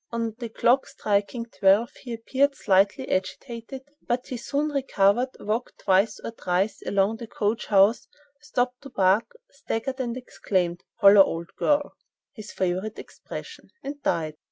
On the clock striking twelve he appeared slightly agitated, but he soon recovered, walked twice or thrice along the coach house, stopped to bark, staggered, and exclaimed 'Halloa, old girl!' (his favorite expression) and died.